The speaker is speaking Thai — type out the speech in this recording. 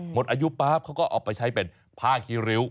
หมดอายุปั๊บเขาก็เอาไปใช้เป็นผ้าคีริ้ว